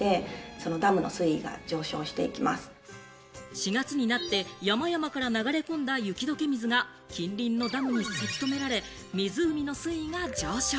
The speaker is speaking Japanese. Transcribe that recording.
４月になって山々から流れ込んだ雪解け水が近隣のダムにせき止められ、湖の水位が上昇。